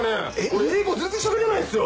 俺英語全然しゃべれないんすよ。